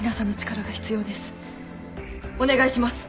お願いします。